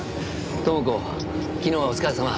朋子昨日はお疲れさま。